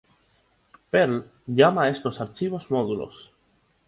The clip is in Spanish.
Perl llama a estos archivos módulos.